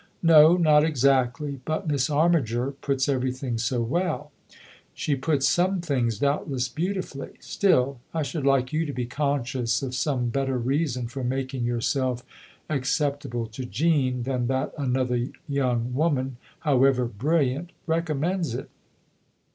"No, not exactly. But Miss Armiger puts everything so well." "She puts some things doubtless beautifully. Still, I should like you to be conscious of some better reason for making yourself acceptable to Jean than that another young woman, however brilliant, recommends it."